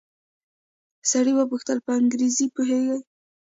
سړي وپوښتل په انګريزي پوهېږې.